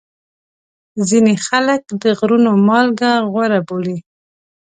ځینې خلک د غرونو مالګه غوره بولي.